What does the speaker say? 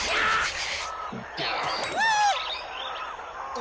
あ！